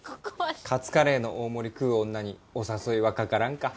「カツカレーの大盛り食う女にお誘いはかからんか」